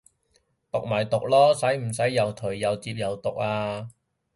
毒咪毒囉，使唔使又頹又摺又毒啊